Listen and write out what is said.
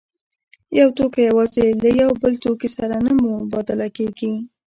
یو توکی یوازې له یو بل توکي سره نه مبادله کېده